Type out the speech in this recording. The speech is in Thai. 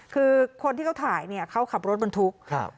คือคนที่เขาถ่ายเนี่ยเขาขับรถบรรทุกครับ